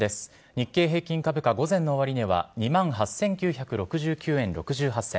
日経平均株価、午前の終値は２万８９６９円６８銭。